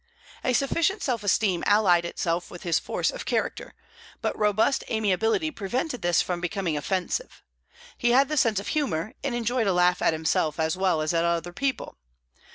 A sufficient self esteem allied itself with his force of character, but robust amiability prevented this from becoming offensive; he had the sense of humour, and enjoyed a laugh at himself as well as at other people.